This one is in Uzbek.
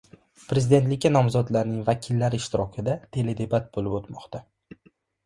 Prezidentlikka nomzodlarning vakillari ishtirokida teledebat bo‘lib o‘tmoqda